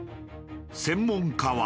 専門家は。